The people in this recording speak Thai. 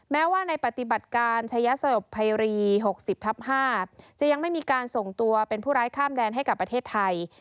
แม้ว่าในปฏิบัติการชายสลบภัยรี๖๐ทับ๕จะยังไม่มีการส่งตัวเป็นผู้ร้ายข้ามแดนให้กับประเทศไทย